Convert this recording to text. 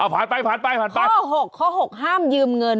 ผ่านไปผ่านไปผ่านไปข้อ๖ข้อ๖ห้ามยืมเงิน